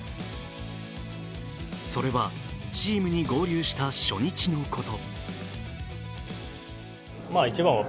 それはチームに合流した初日のこと。